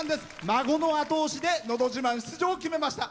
孫の後押しで「のど自慢」出場を決めました。